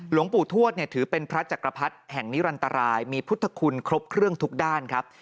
หลวงปู่ทวดเนี่ยถือเป็นพระจักรพรรดิแห่งนิรันตรายมีพุทธคุณครบเครื่องทุกด้านครับ